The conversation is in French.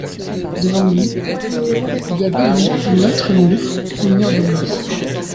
Devant lui, il y avait un autre mur, un mur de nuit.